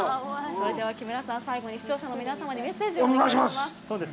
それでは、木村さん、最後に視聴者の皆様にメッセージをお願いします。